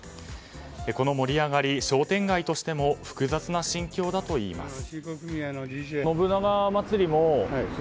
この盛り上がり、商店街としても複雑な心境だといいます。